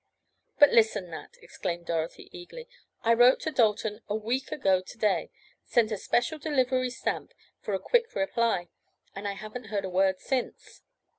"But listen, Nat," exclaimed Dorothy, eagerly, "I wrote to Dalton a week ago to day, sent a special delivery stamp for a quick reply, and I haven't heard a word since."